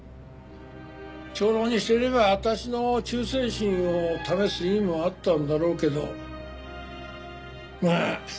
長老にしてみれば私の忠誠心を試す意味もあったんだろうけどまあ